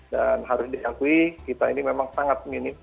dan harus diakui kita ini memang sangat minim